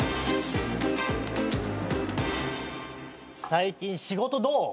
最近仕事どう？